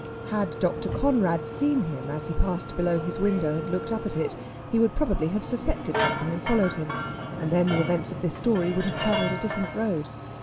Had Dr. Conrad seen him as he passed below his window and looked up at it, he would probably have suspected something and followed him. And then the events of this story would have travelled a different road.